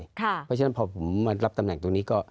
เพราะฉะนั้นพอผมมารับตำแหน่งตรงนี้ก็